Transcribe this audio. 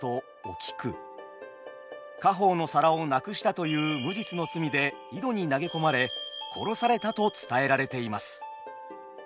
家宝の皿をなくしたという無実の罪で井戸に投げ込まれ殺されたと伝えられています。